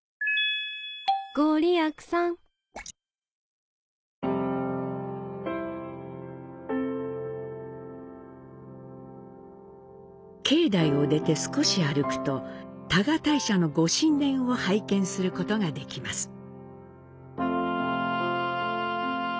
境内を出て少し歩くと、多賀大社のご神田を拝見することができます。